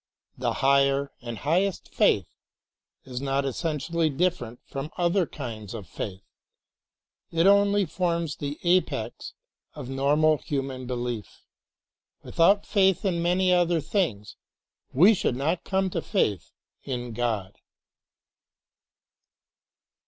This higher and highest faith is not T 11 E THREE M O T 1 \ E S O F F A 1 T 11 essentially different from other kinds of faith. It only forms the apex of normal human belief. Without faith in many other things we should not come to faith in God.